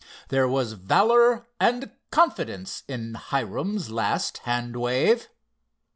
There was valor and confidence in Hiram's last hand wave.